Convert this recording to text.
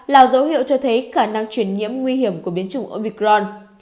là dấu hiệu cho thấy khả năng chuyển nhiễm nguy hiểm của biến chủng omicron